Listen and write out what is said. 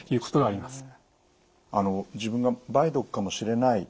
あの自分が梅毒かもしれない。